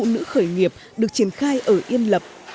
giúp đỡ phụ nữ khởi nghiệp được triển khai ở yên lập